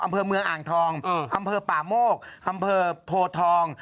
อำเภอเมืองอ่างทองอำเภอป่าโมกอำเภอโพทอง